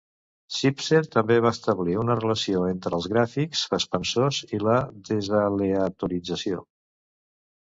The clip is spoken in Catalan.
Sipser també va establir una relació entre els gràfics expansors i la desaleatorització.